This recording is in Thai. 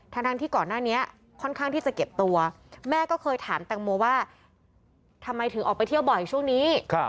ทั้งที่ก่อนหน้านี้ค่อนข้างที่จะเก็บตัวแม่ก็เคยถามแตงโมว่าทำไมถึงออกไปเที่ยวบ่อยช่วงนี้